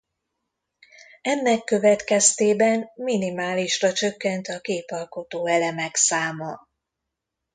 Ennek következtében minimálisra csökkent a képalkotó elemek száma.